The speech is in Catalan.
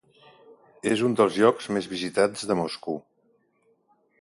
És un dels llocs més visitats de Moscou.